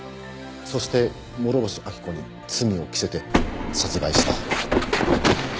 そして諸星秋子に罪を着せて殺害した。